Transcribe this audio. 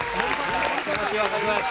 気持ち分かります。